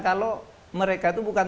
kalau mereka itu bukan